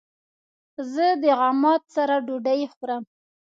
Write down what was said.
زه د عماد سره ډوډی خورم